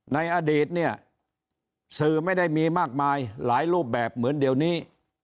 ในอดีตเนี่ยสื่อไม่ได้มีมากมายหลายรูปแบบเหมือนเดี๋ยวนี้